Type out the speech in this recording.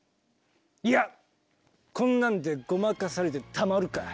いやこんなんでごまかされてたまるか。